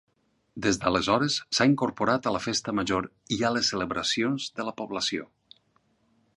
Des d'aleshores s'ha incorporat a la Festa Major i a les celebracions de la població.